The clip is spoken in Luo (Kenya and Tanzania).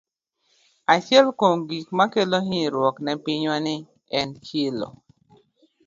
Achiel kuom gik makelo hinyruok ne pinywa ni en chilo.